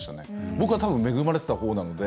僕はたぶん恵まれてたほうなので。